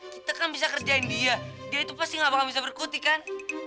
kita kan bisa kerjain dia dia itu pasti nggak bisa berkutik kan